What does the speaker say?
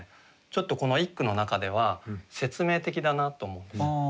ちょっとこの一句の中では説明的だなと思うんですよ。